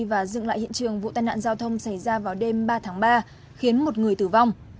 và dựng lại hiện trường vụ tai nạn giao thông xảy ra vào đêm ba tháng ba khiến một người tử vong